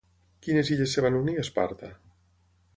Quines illes es van unir a Esparta?